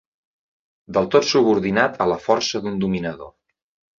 Del tot subordinat a la força d'un dominador.